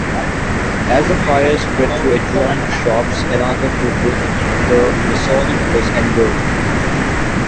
As the fire spread through adjoining shops another hotel, the Masonic was engulfed.